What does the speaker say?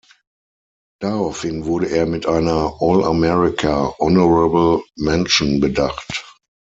Daraufhin wurde er mit einer "All-America Honorable Mention" bedacht.